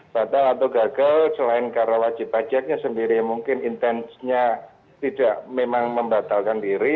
batal atau gagal selain karena wajib pajaknya sendiri mungkin intensnya tidak memang membatalkan diri